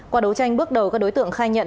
qua đấu tranh bước đầu các đối tượng khai nhận